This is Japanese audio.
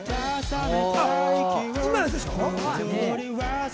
今のやつでしょ？